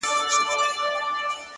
دا دی د ژوند و آخري نفس ته ودرېدم’